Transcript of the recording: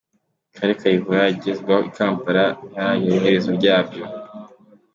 Kale Kayihura yagezwa i Kampala ntiharatangazwa iherezo ryabyo.